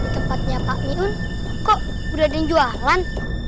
tempatnya pak miun kok udah di jualan